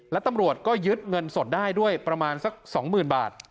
แล้วตำรวจก็ยึดเงินสดได้ด้วยประมาณสักสองหมื่นบาท